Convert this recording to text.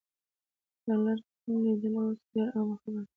د انلاین خپرونو لیدل اوس ډېره عامه خبره ده.